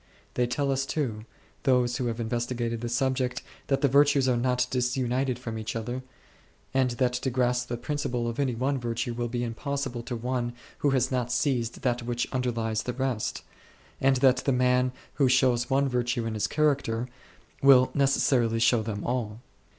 They tell us too, those who have investigated the subject, that the virtues are not disunited from each other, and that to grasp the principle of any one virtue will be impossible to one who has not seized that which underlies the rest, and that the man who shows one virtue in his character will necessarily show them all.